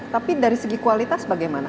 tapi dari segi kualitas bagaimana